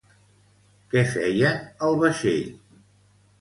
Què feien al vaixell?